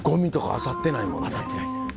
あさってないです。